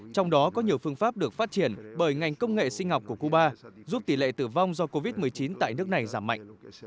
trong đó có nhiều phương pháp được phát triển bởi ngành công nghệ sinh học của cuba giúp tỷ lệ tử vong do covid một mươi chín tại nước này giảm mạnh